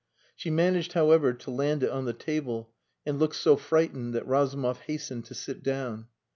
She managed, however, to land it on the table, and looked so frightened that Razumov hastened to sit down.